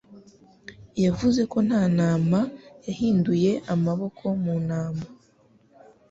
Yavuze ko nta nama yahinduye amaboko mu nama.